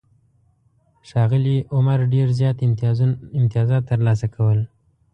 ښاغلي عمر ډېر زیات امتیازات ترلاسه کول.